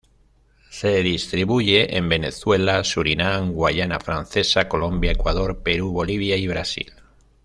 Se distribuye en Venezuela, Surinam, Guayana francesa, Colombia, Ecuador, Perú, Bolivia y Brasil.